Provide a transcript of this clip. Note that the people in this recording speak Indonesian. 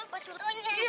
ini mah pasurnya